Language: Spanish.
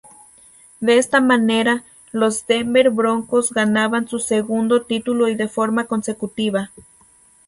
De esta manera los Denver Broncos ganaban su segundo título y de forma consecutiva.